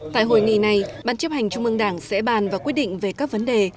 tại hội nghị này ban chấp hành trung mương đảng sẽ bàn và quyết định về các vấn đề